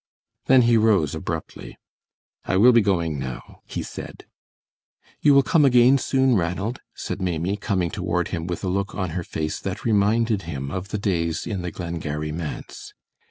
Then he rose abruptly. "I will be going now," he said. "You will come again soon, Ranald," said Maimie, coming toward him with a look on her face that reminded him of the days in the Glengarry manse.